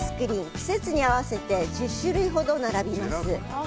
季節に合わせて１０種類ほど並びます。